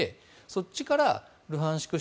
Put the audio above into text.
そっちからルハンシク